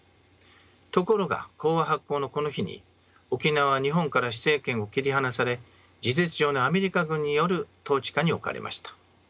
ところが講和発効のこの日に沖縄は日本から施政権を切り離され事実上のアメリカ軍による統治下に置かれました。